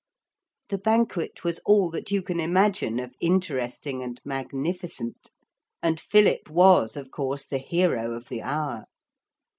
The banquet was all that you can imagine of interesting and magnificent. And Philip was, of course, the hero of the hour.